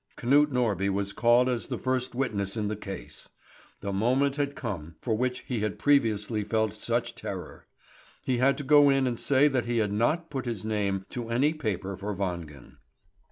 Knut Norby was called as the first witness in the case. The moment had come for which he had previously felt such terror. He had to go in and say that he had not put his name to any paper for Wangen.